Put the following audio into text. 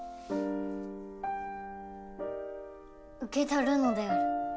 受け取るのである。